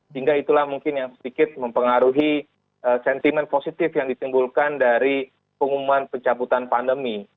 sehingga itulah mungkin yang sedikit mempengaruhi sentimen positif yang ditimbulkan dari pengumuman pencabutan pandemi